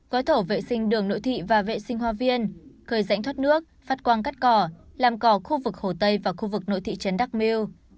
gói thổ vệ sinh đường nội thị và vệ sinh hoa viên khơi rãnh thoát nước phát quang cắt cỏ làm cỏ khu vực hồ tây và khu vực nội thị trấn đắk miêu